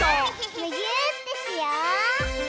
むぎゅーってしよう！